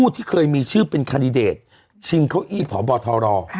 ที่เคยมีชื่อเป็นคาดิเดตชิงเก้าอี้พบทร